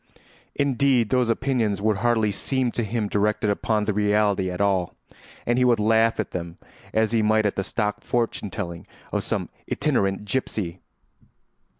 Indeed, those opinions would hardly seem to him directed upon the reality at all, and he would laugh at them as he might at the stock fortune telling of some itinerant gypsy.